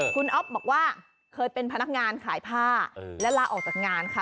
คุณอ๊อฟบอกว่าเคยเป็นพนักงานขายผ้าและลาออกจากงานค่ะ